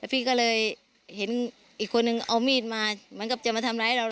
พี่ก็เลยเห็นอีกคนนึงเอามีดมาเหมือนกับจะมาทำร้ายเรา